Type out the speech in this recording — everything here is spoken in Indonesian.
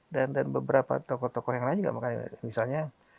dan beberapa tokoh tokoh yang lain juga misalnya